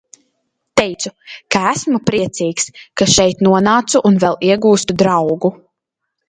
Teicu, ka esmu priecīgs, ka šeit nonācu un vēl iegūstu draugu.